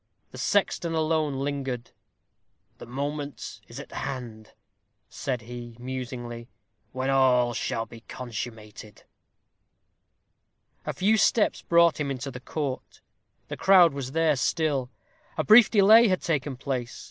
The sexton alone lingered. "The moment is at hand," said he, musingly, "when all shall be consummated." A few steps brought him into the court. The crowd was there still. A brief delay had taken place.